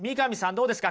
どうですか？